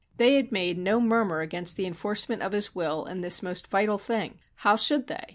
They had made no murmur against the enforcement of his will in this most vital thing. How should they?